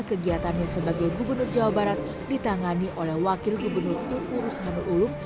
kegiatannya sebagai gubernur jawa barat ditangani oleh wakil gubernur kukur usaha nululuk